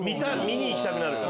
見に行きたくなる。